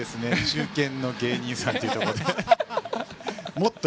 中堅の芸人さんということで。